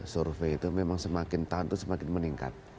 survei itu memang semakin tahun itu semakin meningkat